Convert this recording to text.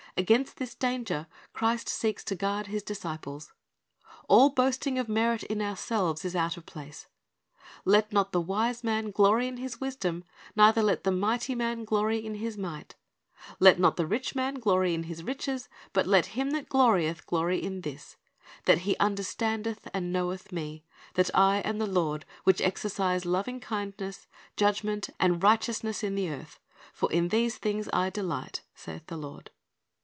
Against this danger Christ seeks to guard His disciples. All boasting of merit in ourselves is out of place. 'T.et not the wise man glory in his wisdom, neither let the mighty man glory in his might, let not the rich man glory in his riches; but let him that glorieth, glory in this, that he understandeth and knoweth Me, that I am the Lord which exercise loving kindness, judgment, and right eousness in the earth ; for in these things I delight, saith the Lord."